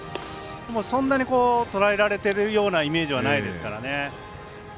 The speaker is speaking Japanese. そんなに、とらえられてるようなイメージはないですからね。